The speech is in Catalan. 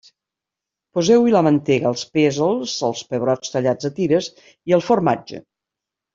Poseu-hi la mantega, els pèsols, els pebrots tallats a tires i el formatge.